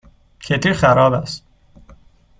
کتری خراب است.